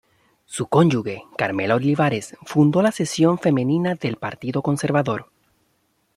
Su cónyuge, Carmela Olivares, fundó la sección femenina del Partido Conservador.